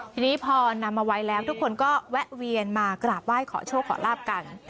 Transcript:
ทีนี้พอนำมาไว้แล้วทุกคนก็แวะเวียนมากราบไหว้ขอโชคขอลาบกัน